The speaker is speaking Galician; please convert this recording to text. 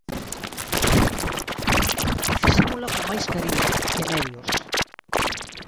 E fixémola con máis cariño que medios.